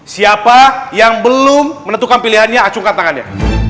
siapa yang belum menentukan pilihannya acungkan tangannya